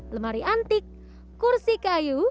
lemari antik kursi kayu